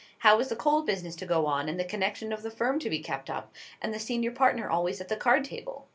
How was the coal business to go on, and the connection of the firm to be kept up, and the senior partner always at the card table?